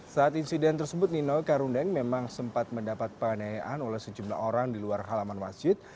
saat insiden tersebut nino karundeng memang sempat mendapat penganiayaan oleh sejumlah orang di luar halaman masjid